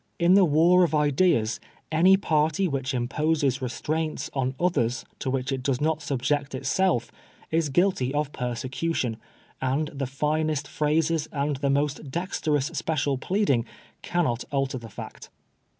In the war of ideas, any party which imposes restraints on others to which it does not subject itself » is guilty of persecution ; and the finest phrases, and the most dexterous special pleading, Cannot alter the fact.